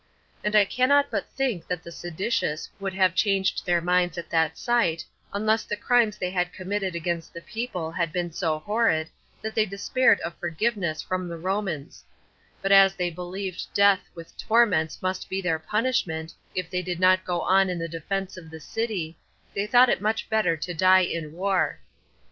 And I cannot but think that the seditious would have changed their minds at that sight, unless the crimes they had committed against the people had been so horrid, that they despaired of forgiveness from the Romans; but as they believed death with torments must be their punishment, if they did not go on in the defense of the city, they thought it much better to die in war.